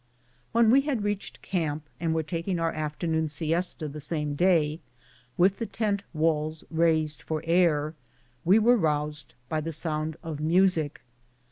When we had reached camp and were taking our afternoon siesta the same day, with the tent w^alls raised for air, we were roused by the sound of music.